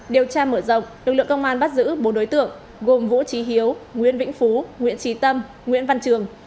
điều tra mở rộng lực lượng công an bắt giữ bốn đối tượng gồm vũ trí hiếu nguyễn vĩnh phú nguyễn trí tâm nguyễn văn trường